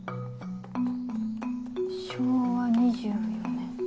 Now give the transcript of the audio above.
昭和２４年。